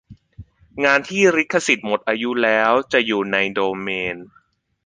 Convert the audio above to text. งานที่ลิขสิทธิ์หมดอายุแล้ว จะอยู่ในโดเมน